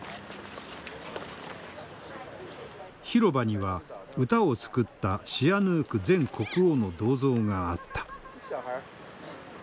広場には歌を作ったシアヌーク前国王の銅像があった。